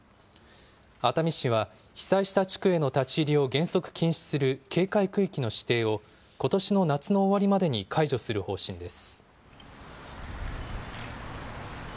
熱海市は、被災した地区への立ち入りを原則禁止する警戒区域の指定を、ことしの夏の終わりまでに解除する方針です。